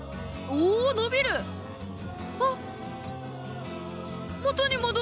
お伸びる！あっ。